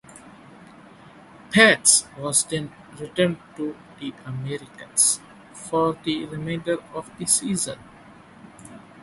Paetsch was then returned to the Americans, for the remainder of the season.